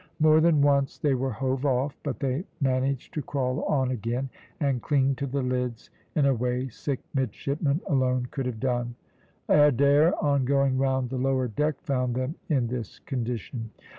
More than once they were hove off, but they managed to crawl on again, and cling to the lids in a way sick midshipmen alone could have done. Adair, on going round the lower deck, found them in this condition.